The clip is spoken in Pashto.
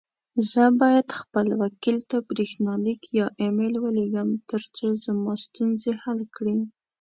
زه بايد خپل وکيل ته بريښناليک يا اى ميل وليږم، ترڅو زما ستونزي حل کړې.